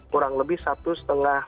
kurang lebih satu lima meter